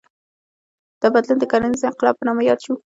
دا بدلون د کرنیز انقلاب په نامه یاد شو.